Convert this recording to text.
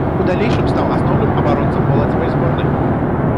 У далейшым стаў асноўным абаронцам моладзевай зборнай.